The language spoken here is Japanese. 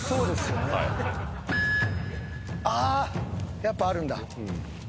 やっぱあるんだ」